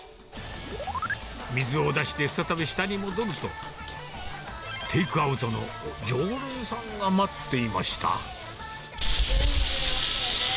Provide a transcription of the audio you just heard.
水を出して再び下に戻ると、テイクアウトの常連さんが待っていました。